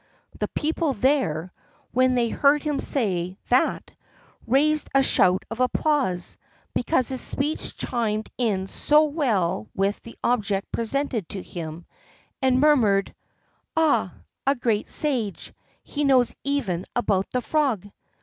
The people there, when they heard him say that, raised a shout of applause, because his speech chimed in so well with the object presented to him, and murmured: "Ah! a great sage; he knows even about the frog!"